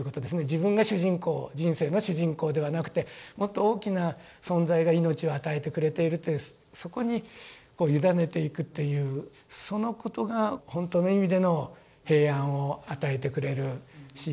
自分が主人公人生の主人公ではなくてもっと大きな存在が命を与えてくれているというそこにこう委ねていくっていうそのことが本当の意味での平安を与えてくれるし